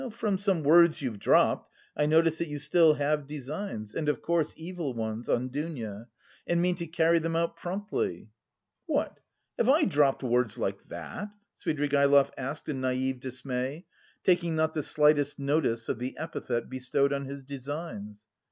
"From some words you've dropped, I notice that you still have designs and of course evil ones on Dounia and mean to carry them out promptly." "What, have I dropped words like that?" Svidrigaïlov asked in naïve dismay, taking not the slightest notice of the epithet bestowed on his designs.